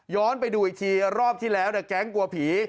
ไปดูอีกทีรอบที่แล้วแก๊งกลัวผี